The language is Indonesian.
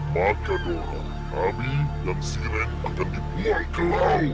maka dora ami dan siren akan dibuang ke laut